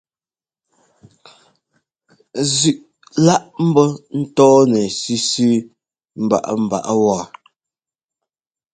Zʉꞌ lá ḿbɔ́ ńtɔ́ɔnɛ sʉsʉ mbaꞌámbaꞌá wɔ.